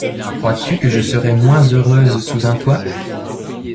Crois-tu que je serais moins heureuse sous un toit ?